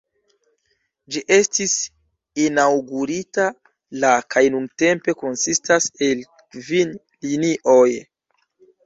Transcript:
Ĝi estis inaŭgurita la kaj nuntempe konsistas el kvin linioj.